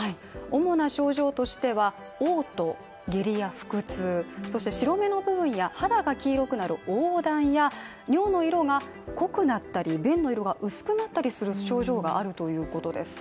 主な症状としては、嘔吐、下痢や腹痛、そして白目の部分や肌が黄色くなる黄疸や尿の色が濃くなったり、便の色が薄くなったりする症状があるということです。